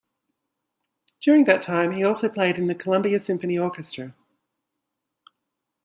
During that time he also played in the Columbia Symphony Orchestra.